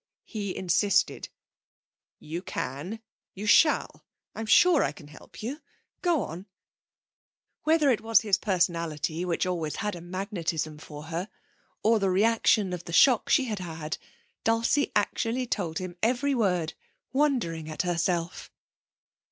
He insisted: 'You can. You shall. I'm sure I can help you. Go on.' Whether it was his personality which always had a magnetism for her, or the reaction of the shock she had had, Dulcie actually told him every word, wondering at herself.